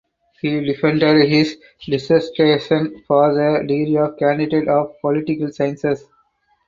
He defended his dissertation for the degree of Candidate of Political Sciences.